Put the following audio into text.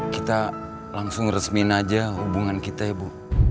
kita langsung resmin aja hubungan kita ya bu